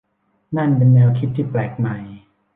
นั่นเป็นแนวคิดที่แปลกใหม่